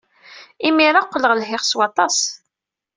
Imir-a, qqleɣ lhiɣ s waṭas.